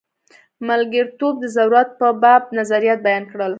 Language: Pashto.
ملګرتوب د ضرورت په باب نظریات بیان کړل.